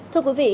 thưa quý vị